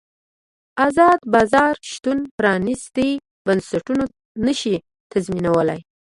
ازاد بازار شتون پرانیستي بنسټونه نه شي تضمینولی.